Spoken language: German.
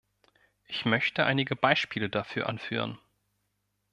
Ich möchte einige Beispiele dafür anführen.